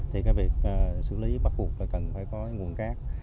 thì cái việc xử lý bắt buộc là cần phải có nguồn cát